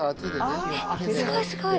えっすごいすごい。